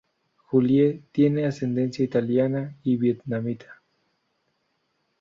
Julie tiene ascendencia italiana y vietnamita.